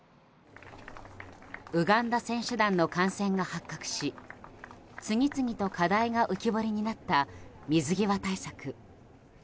ウガンダ選手団の感染が発覚し次々と課題が浮き彫りになった水際対策。